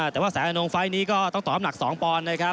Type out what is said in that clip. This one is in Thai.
แต่ว่าแสงอนงไฟล์นี้ก็ต้องตอบหนัก๒ปอนด์นะครับ